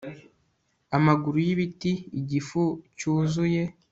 amaguru y'ibiti, igifu cyuzuye